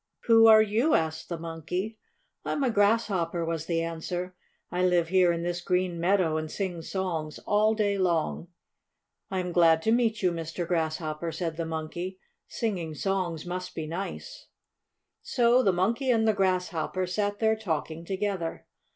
"Who are you?" asked the Monkey. "I'm a Grasshopper," was the answer. "I live here in this green meadow and sing songs all day long." "I am glad to meet you, Mr. Grasshopper," said the Monkey. "Singing songs must be nice." So the Monkey and the Grasshopper sat there talking together.